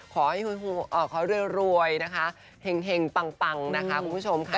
ก็ขอให้เรือรวยเฮงเป้งนะคุณผู้ชมค่ะ